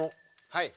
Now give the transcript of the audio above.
はい。